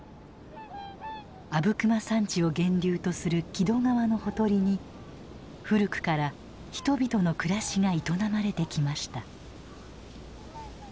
阿武隈山地を源流とする木戸川のほとりに古くから人々の暮らしが営まれてきました。